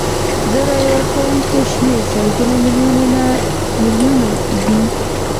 د رایې ورکوونکو شمیر سلګونه میلیونه دی.